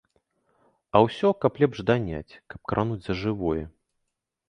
А ўсё, каб лепш даняць, каб крануць за жывое.